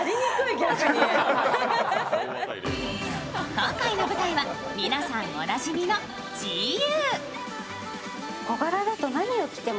今回の舞台は皆さんおなじみのＧＵ。